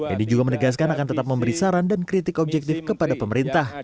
edi juga menegaskan akan tetap memberi saran dan kritik objektif kepada pemerintah